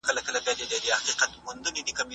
راتلونکی به روښانه شي.